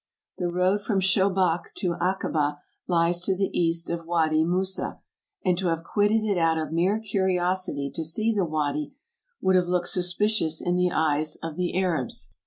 The road from Shobak to Akaba lies to the east of Wady Moussa, and to have quitted it out of mere curiosity to see the wady would have looked suspicious in the eyes of the Arabs.